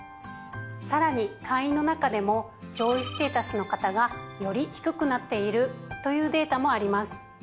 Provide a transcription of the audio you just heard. さらに会員の中でも上位ステータスの方がより低くなっているというデータもあります。